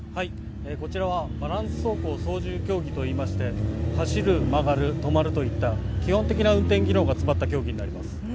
こちらはバランス走行操縦競技といいまして走る、曲がる、止まるといった基本的な運転技能が詰まった競技です。